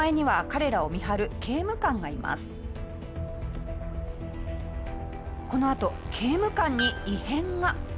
このあと刑務官に異変が。